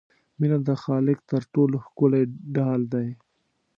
مینه د خالق تر ټولو ښکلی ډال دی.